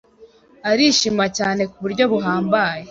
arishima cyane kuburyo buhambaye